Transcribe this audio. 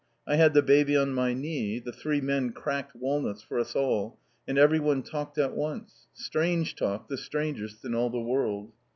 I had the baby on my knee, the three men cracked walnuts for us all, and everyone talked at once; strange talk, the strangest in all the world.